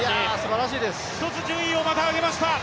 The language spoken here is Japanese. １つ順位をまた上げました。